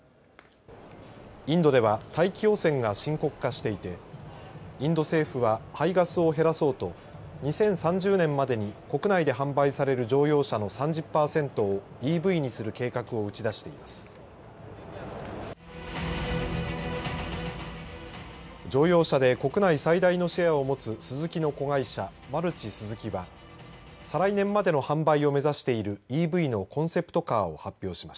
インドでは大気汚染が深刻化していてインド政府は排ガスを減らそうと２０３０年までに国内で販売される乗用車の３０パーセントをＥＶにする計画を打ち出しています。